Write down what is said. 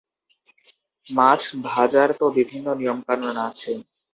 মাছ ভাজার তো বিভিন্ন নিয়ম কানুন আছে।